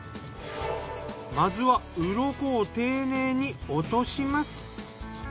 まずはウロコを丁寧に落とします。